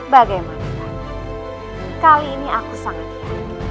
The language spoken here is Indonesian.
bagai makhluk kali ini aku sangat yakin